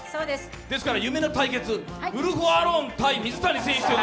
ですから、夢の対決、ウルフ・アロン対水谷選手という。